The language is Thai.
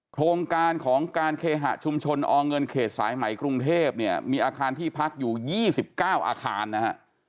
โครงการของการเคหะชุมชนอเงินเขตสายใหม่กรุงเทพเนี่ยมีอาคารที่พักอยู่๒๙อาคารนะฮะ